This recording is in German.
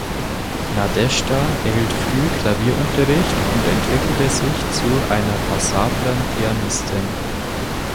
Nadeschda erhielt früh Klavierunterricht und entwickelte sich zu einer passablen Pianistin.